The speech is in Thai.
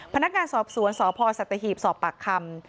พนักงานสอบสวนสพสัตหีบสอบปากคำ